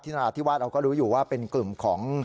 นราธิวาสเราก็รู้อยู่ว่าเป็นกลุ่มของ